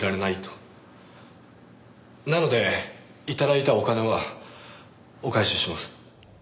なので頂いたお金はお返しします。